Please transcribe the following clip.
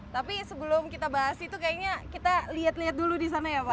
tapi sebelum kita bahas itu kayaknya kita lihat lihat dulu di sana ya pak